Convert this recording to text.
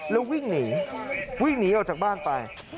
แล้ววิ่งหนีวิ่งหนีออกจากบ้านไป